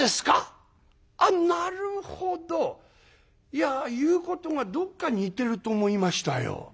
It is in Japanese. いや言うことがどっか似てると思いましたよ。